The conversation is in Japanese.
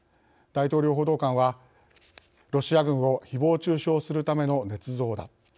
大統領報道官は、ロシア軍をひぼう中傷するためのねつ造だ。